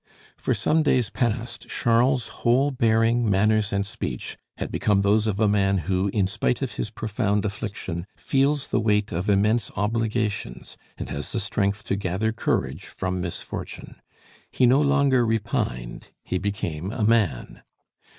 For some days past, Charles's whole bearing, manners, and speech had become those of a man who, in spite of his profound affliction, feels the weight of immense obligations and has the strength to gather courage from misfortune. He no longer repined, he became a man.